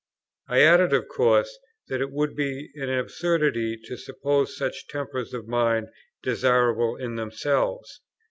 I added, of course, that it would be an absurdity to suppose such tempers of mind desirable in themselves.